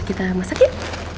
kita masak yuk